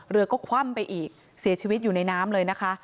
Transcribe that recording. เรือก็คว่ำไปอีกเสียชีวิตอยู่ในน้ำเลยนะคะ